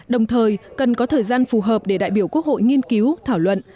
đồng thời cần có thời gian phù hợp để đại biểu quốc hội nghiên cứu thảo luận